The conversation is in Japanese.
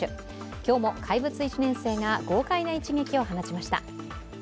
今日も怪物１年生が豪快な一撃を放ちました。